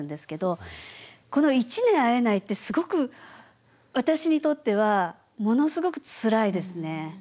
この１年会えないってすごく私にとってはものすごくつらいですね。